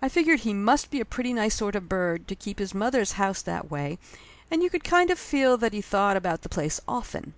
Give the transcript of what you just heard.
I figured he must be a pretty nice sort of bird to keep his mother's house that way, and you could kind of feel that he thought about the place often.